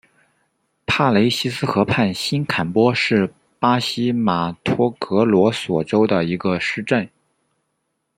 帕雷西斯河畔新坎波是巴西马托格罗索州的一个市镇。